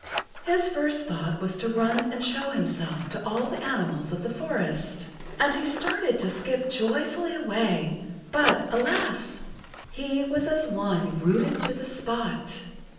His first thought was to run and show himself to all the animals of the forest. And he started to skip joyfully away, but[Pg 75] alas! he was as one rooted to the spot.